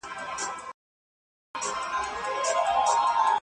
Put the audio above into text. ښه پایله یوازي با استعداده کسانو ته نه سي سپارل کېدلای.